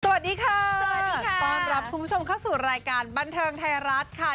สวัสดีค่ะสวัสดีต้อนรับคุณผู้ชมเข้าสู่รายการบันเทิงไทยรัฐค่ะ